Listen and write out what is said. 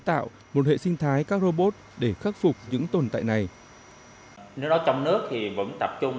tạo một hệ sinh thái các robot để khắc phục những tồn tại này nếu đó trong nước thì vẫn tập trung